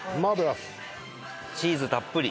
チーズたっぷり。